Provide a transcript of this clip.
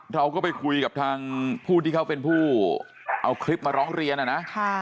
เราก็ไปคุยกับทางผู้ที่เขาเป็นผู้เอาคลิปมาร้องเรียนนะ